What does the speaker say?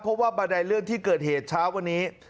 เพราะว่าบันไดเลื่อนที่เกิดเหตุเช้าวันนี้